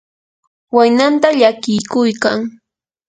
waynanta llakiykuykan.